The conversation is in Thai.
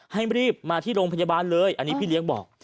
ให้รีบมาที่โรงพยาบาลเลยอันนี้พี่เลี้ยงบอก